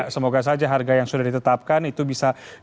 semoga saja harga yang sudah ditetapkan itu bisa